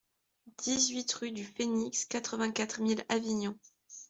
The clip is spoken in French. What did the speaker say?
dix-huit rue du Phénix, quatre-vingt-quatre mille Avignon